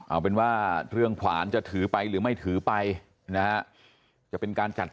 เอาเป็นว่าเรื่องขวานจะถือไปหรือไม่ถือไปนะฮะจะเป็นการจัด